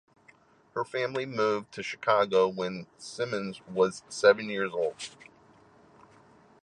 Her family moved to Chicago when Simmons was seven year old.